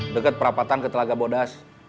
deket perapatan ke talagabodas